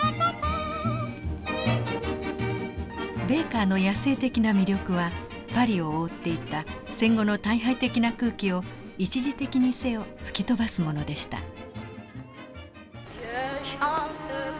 ベーカーの野性的な魅力はパリを覆っていた戦後の退廃的な空気を一時的にせよ吹き飛ばすものでした。